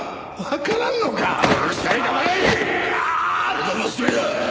俺の娘だ。